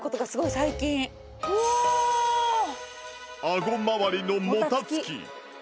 あごまわりのもたつき